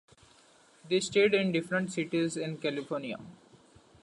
They stayed in different cities in California.